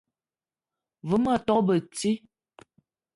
Ve ma tok beti